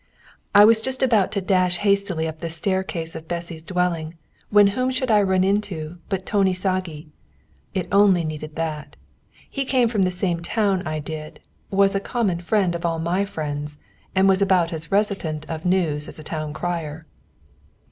I was just about to dash hastily up the staircase of Bessy's dwelling, when whom should I run into but Tóni Sági. It only needed that. He came from the same town as I did, was a common friend of all my friends, and was about as reticent of news as a town crier.